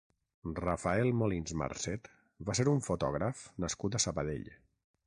Rafael Molins Marcet va ser un fotògraf nascut a Sabadell.